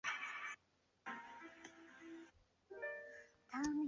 烦恼很多没意思的事情